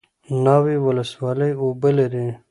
ناوې ولسوالۍ اوبه لري؟